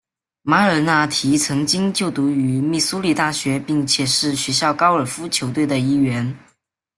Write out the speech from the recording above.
马尔纳提曾经就读于密苏里大学并且是学校高尔夫球队的一员。